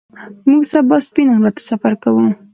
موږ سبا سپین غره ته سفر کوو